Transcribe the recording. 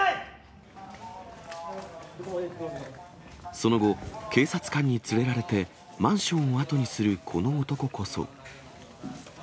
その後、警察官に連れられてマンションを後にするこの男こそ。